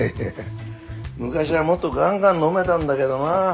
昔はもっとガンガン飲めたんだけどなぁ。